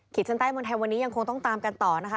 ชั้นใต้เมืองไทยวันนี้ยังคงต้องตามกันต่อนะคะ